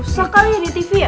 susah kali ya di tv ya